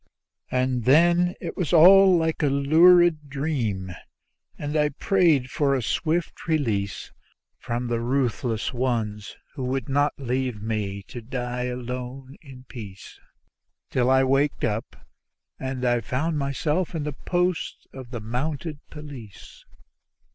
And then it was all like a lurid dream, and I prayed for a swift release From the ruthless ones who would not leave me to die alone in peace; Till I wakened up and I found myself at the post of the Mounted Police.